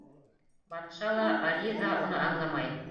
Батша ла, Али ҙа уны аңламай.